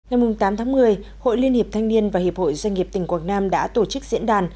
ngày tám tháng một mươi hội liên hiệp thanh niên và hiệp hội doanh nghiệp tỉnh quảng nam đã tổ chức diễn đàn